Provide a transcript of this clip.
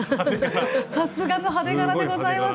さすがの派手柄でございます。